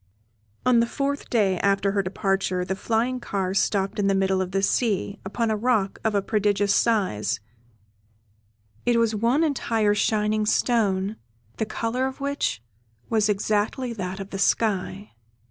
On the fourth day after her departure the flying car stopped in the middle of the sea, upon a rock of a prodigious size it was one entire shining stone, the colour of which was exactly that of the sky.